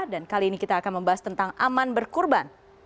dan kali ini kita akan membahas tentang aman berkurban